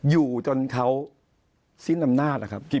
อยู่จนเขาสิ้นอำนาจนะครับ